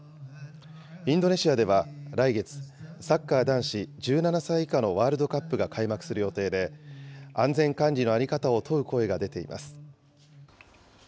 インドネシアでは来月、サッカー男子１７歳以下のワールドカップが開幕する予定で、安全管理の在り方を問う声が出ています。